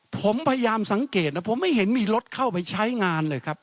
ผมพยายามสังเกตนะผมไม่เห็นมีรถเข้าไปใช้งานเลยครับ